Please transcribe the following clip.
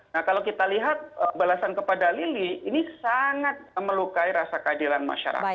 nah kalau kita lihat balasan kepada lili ini sangat melukai rasa keadilan masyarakat